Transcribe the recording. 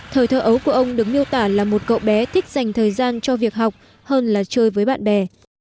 thời thơ ấu của ông được miêu tả là một cậu bé thích dành thời gian cho việc học hơn là chơi với bạn bè